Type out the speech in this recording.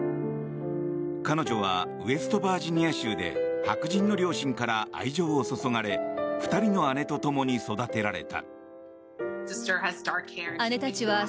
彼女はウェストバージニア州で白人の両親から愛情を注がれ２人の姉と共に育てられた。